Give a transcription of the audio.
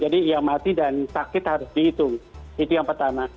jadi yang mati dan sakit harus dihitung itu yang pertama